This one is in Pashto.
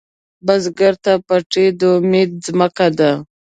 بزګر ته پټی د امید ځمکه ده